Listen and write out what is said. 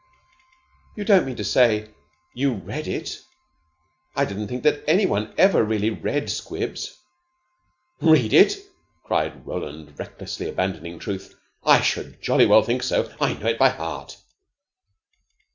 "You don't mean to say you read it? I didn't think that any one ever really read 'Squibs.'" "Read it!" cried Roland, recklessly abandoning truth. "I should jolly well think so. I know it by heart.